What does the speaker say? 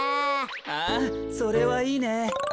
ああそれはいいね。